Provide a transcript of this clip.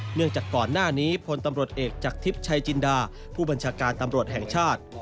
เนื่องจากก่อนหน้านี้พลตำรวจเอกจากทิพย์ชัยจินดาผู้บัญชาการตำรวจแห่งชาติ